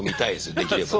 できればね。